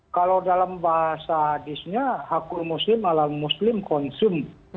kalau dalam bahasa hadisnya haku muslim alam muslim konsum